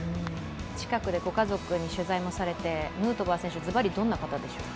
近くでご家族で取材もされてヌートバー選手、ズバリどんな方でしょうか？